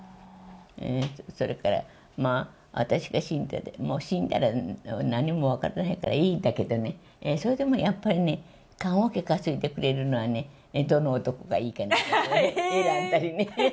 それからまあ、私が死んだら、何も分からないからいいんだけどね、それでもやっぱりね、棺おけ担いでくれるのはね、どの男がいいかなとかね、選んだりね。